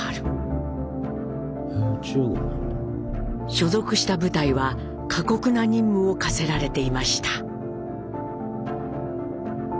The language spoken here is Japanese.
所属した部隊は過酷な任務を課せられていました。